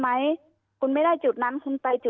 เจ้าหน้าที่แรงงานของไต้หวันบอก